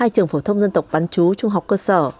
hai trường phổ thông dân tộc bán chú trung học cơ sở